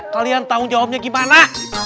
kalian tahu jawabnya gimana